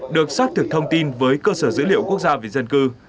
được xác thực thông tin với cơ sở dữ liệu quốc gia về dân cư